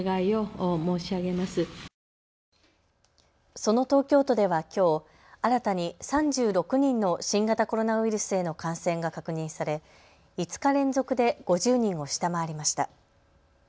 その東京都ではきょう新たに３６人の新型コロナウイルスへの感染が確認され５日連続で５０人を下回りました。